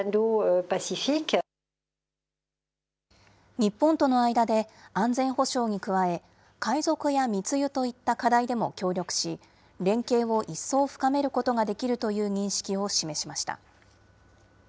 日本との間で安全保障に加え、海賊や密輸といった課題でも協力し、連携を一層深めることができるという認識を示しました。